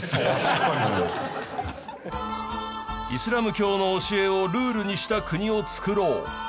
イスラム教の教えをルールにした国をつくろう。